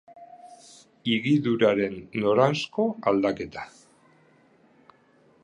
Higiduraren noranzko-aldaketa